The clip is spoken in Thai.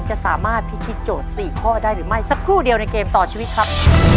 จะสามารถพิธีโจทย์๔ข้อได้หรือไม่สักครู่เดียวในเกมต่อชีวิตครับ